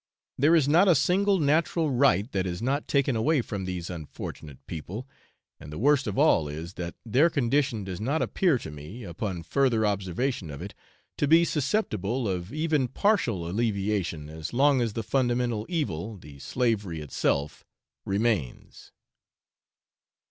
There is not a single natural right that is not taken away from these unfortunate people, and the worst of all is, that their condition does not appear to me, upon further observation of it, to be susceptible of even partial alleviation as long as the fundamental evil, the slavery itself, remains.